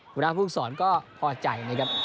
หัวหน้าภูมิสอนก็พอใจนะครับ